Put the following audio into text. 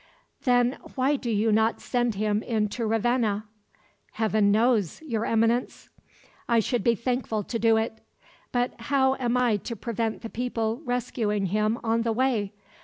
"Then why do you not send him in to Ravenna?" "Heaven knows, Your Eminence, I should be thankful to do it! But how am I to prevent the people rescuing him on the way?